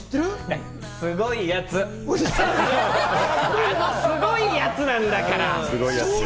すごいやつ、あのすごいやつなんだから。